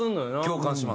共感します。